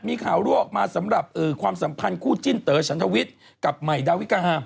มีข่าวรั่วออกมาสำหรับความสัมพันธ์คู่จิ้นเต๋อฉันทวิทย์กับใหม่ดาวิกา